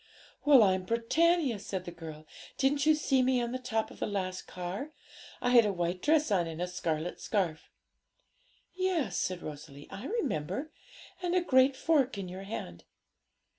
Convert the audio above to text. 'Well, I'm Britannia,' said the girl; 'didn't you see me on the top of the last car? I had a white dress on and a scarlet scarf.' 'Yes,' said Rosalie, 'I remember; and a great fork in your hand.'